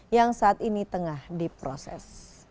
yang saat ini tengah diproses